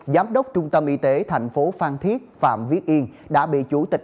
giám đốc trung tâm y tế thành phố phan thiết phạm viết yên đã bị chủ tịch